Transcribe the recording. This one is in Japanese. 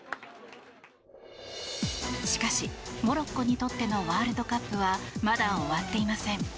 しかし、モロッコにとってのワールドカップはまだ終わっていません。